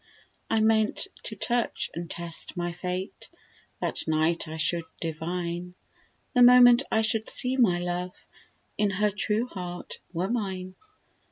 I meant to touch and test my fate; That night I should divine, The moment I should see my love, If her true heart were mine.